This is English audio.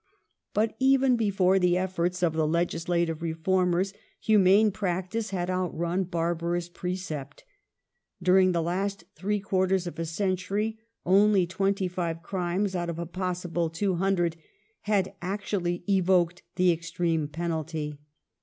But even before the efforts of legislative reformers, humane practice had outrun barbarous pre cept. During the last three quarters of a century only 25 crimes out of a possible 200 had actually evoked the extreme penalty.